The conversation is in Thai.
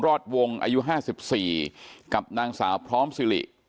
รอดวงอายุห้าสิบสี่กับนางสาวพร้อมซิริ